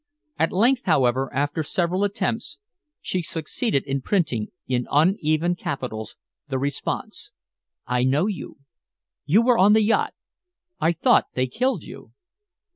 At length, however, after several attempts, she succeeded in printing in uneven capitals the response: "I know you. You were on the yacht. I thought they killed you."